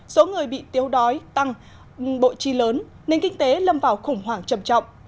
số người bị tiếu đói tăng bộ chi lớn nên kinh tế lâm vào khủng hoảng trầm trọng